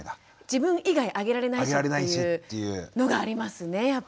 自分以外あげられないしっていうのがありますねやっぱり。